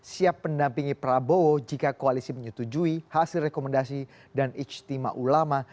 siap mendampingi prabowo jika koalisi menyetujui hasil rekomendasi dan ijtima ulama